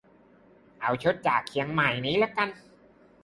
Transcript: เอาชุดจากเชียงใหม่นี้ละกัน